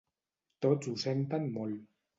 Tots ho senten molt.